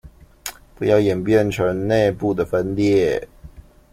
不要演變成内部的分裂